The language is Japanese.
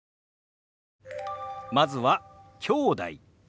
まずは「きょうだい」。